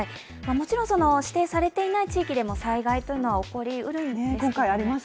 もちろん指定されていない地域でも災害は起こりえます。